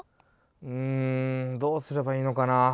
うんどうすればいいのかな。